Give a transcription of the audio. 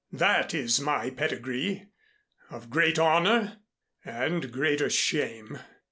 That is my pedigree of great honor and greater shame.